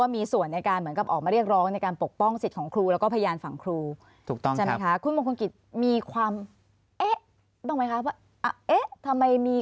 แบบเหมือนกับทุกคนอยู่แล้วแหละ